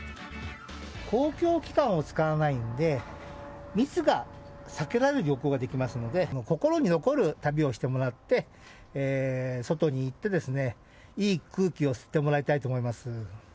公共機関を使わないんで、密が避けられる旅行ができますので、心に残る旅をしてもらって、外に行って、いい空気を吸ってもらいたいと思います。